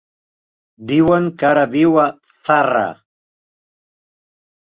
Diuen que ara viu a Zarra.